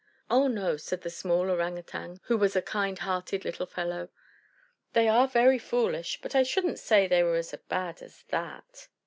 "Oh, no," said the small Orang Utang, who was a kind hearted little fellow, "they are very foolish, but I shouldn't say they were as bad as that!"